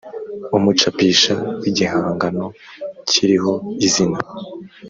umucapisha w igihangano kiriho izina